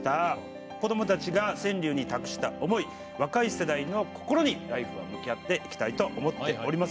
子どもたちが川柳に託した思い若い世代の心に「ＬＩＦＥ！」は向き合っていきたいと思っております。